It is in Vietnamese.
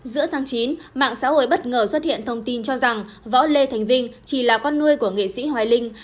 giữa tháng chín mạng xã hội bất ngờ xuất hiện thông tin cho rằng võ lê thành vinh chỉ là con nuôi của nghệ sĩ hoài linh